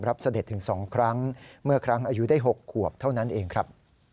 เสด็จถึง๒ครั้งเมื่อครั้งอายุได้๖ขวบเท่านั้นเองครับ